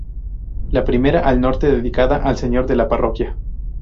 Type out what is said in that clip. La primera, al Norte, dedicada al "Señor de la Parroquia".